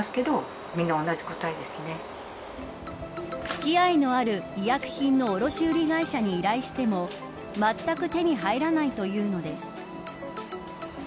付き合いのある医薬品の卸売会社に依頼しても、まったく手に入らないというのです。